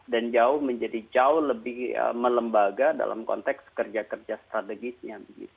dan jauh menjadi jauh lebih melembaga dalam konteks kerja kerja strategisnya